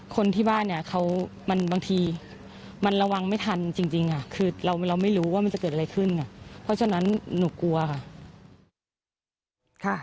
คนที่บ้านเนี่ยเขามันบางทีมันระวังไม่ทันจริงคือเราไม่รู้ว่ามันจะเกิดอะไรขึ้นเพราะฉะนั้นหนูกลัวค่ะ